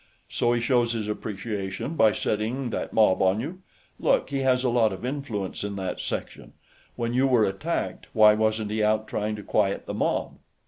"So he shows his appreciation by setting that mob on you. Look, he has a lot of influence in that section. When you were attacked, why wasn't he out trying to quiet the mob?"